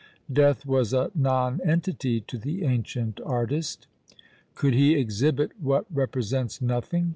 Death was a nonentity to the ancient artist. Could he exhibit what represents nothing?